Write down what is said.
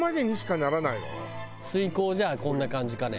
水耕じゃこんな感じかね。